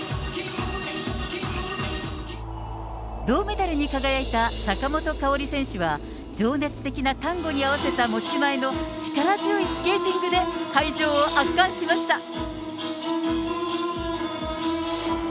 銅メダルに輝いた、坂本花織選手は、情熱的なタンゴに合わせた持ち前の力強いスケーティングで会場を圧巻しました。